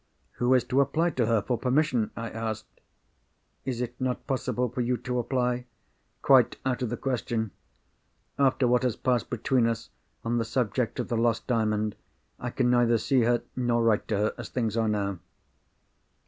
"Who is to apply to her for permission?" I asked. "Is it not possible for you to apply?" "Quite out of the question. After what has passed between us on the subject of the lost Diamond, I can neither see her, nor write to her, as things are now."